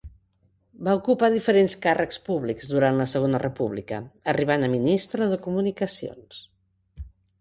Va ocupar diferents càrrecs públics durant la Segona República, arribant a Ministre de Comunicacions.